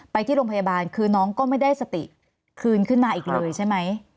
ไปที่โรงพยาบาลคือน้องก็ไม่ได้สติคืนขึ้นมาอีกเลยใช่ไหม